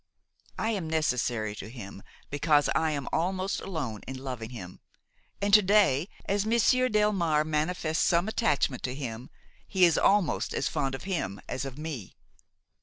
I am necessary to him because I am almost alone in loving him; and to day, as Monsieur Delmare manifests some attachment to him, he is almost as fond of him as of me.